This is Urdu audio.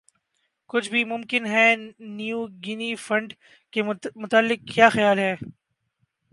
کچھ بھِی ممکن ہے نیو گِنی فنڈ کے متعلق کِیا خیال ہے